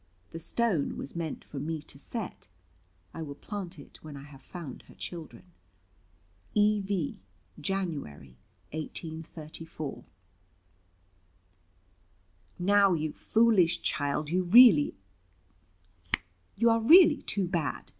The stone was meant for me to set. I will plant it, when I have found her children. E.V., January, 1834." "Now, you foolish child, you are really too bad."